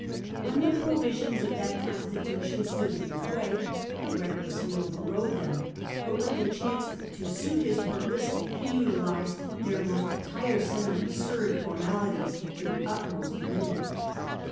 When the pro visions of that con stitution stood in his way,^e reoHessTy o veffodCethemT ; but when they chanced to suit his purpose, he'~utilised"tEeir most tiresome and absurd formalities to~tEe"litmost limit.